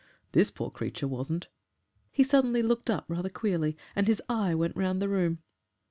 This poor creature wasn't." He suddenly looked up rather queerly, and his eye went round the room.